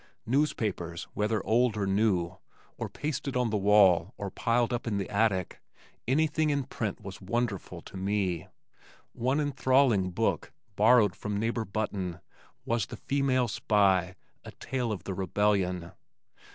Newspapers, whether old or new, or pasted on the wall or piled up in the attic, anything in print was wonderful to me. One enthralling book, borrowed from Neighbor Button, was The Female Spy, a Tale of the Rebellion.